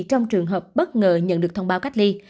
trong trường hợp bất ngờ nhận được thông báo cách ly